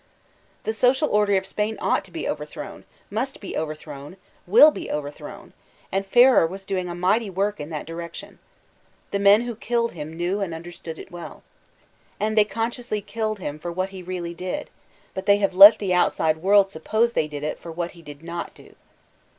The Social Order of Spain ought to be overthrown; must be overthrown, will be overthrown ; and Ferrer was doing a mighty work in that direction. The men who kflled him knew and understood it well And they con sciously killed him for what he really did ; but they have let the outside world suppose they did it» for what he did not do.